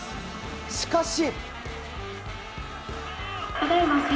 しかし。